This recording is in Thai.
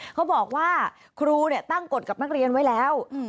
เขาบอกว่าครูตั้งกฎกับนักเรียนไว้แล้ว